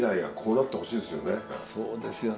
そうですよね。